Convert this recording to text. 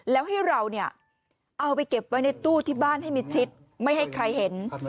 แล้วให้เราเนี่ยเอาไปเก็บไว้ในตู้ที่บ้านให้มิดชิดไม่ให้ใครเห็น